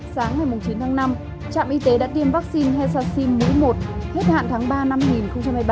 sáng ngày chín tháng năm trạm y tế đã tiêm vaccine hexacin mũi một hết hạn tháng ba năm hai nghìn hai mươi ba